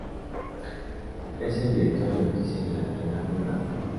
Es el director de noticias de la cadena Blu Radio.